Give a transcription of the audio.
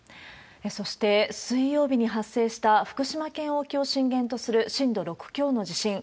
そして、水曜日に発生した福島県沖を震源とする震度６強の地震。